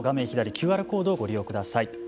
ＱＲコードをご利用ください。